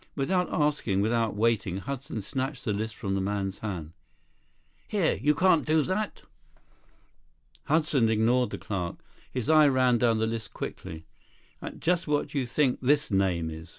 Without asking, without waiting, Hudson snatched the list from the man's hand. "Here. You can't do that!" Hudson ignored the clerk. His eye ran down the list quickly. "And just what do you think this name is?"